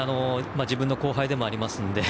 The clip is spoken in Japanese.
自分の後輩でもあるので。